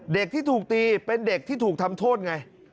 เด็กที่ถูกตีเป็นเด็กที่ถูกทำโทษไง